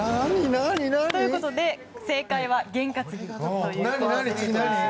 ということで正解は験担ぎということでした。